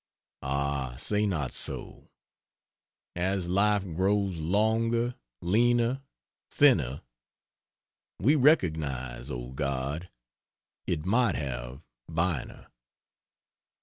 Ah, say not so! as life grows longer, leaner, thinner, We recognize, O God, it might have Bynner!"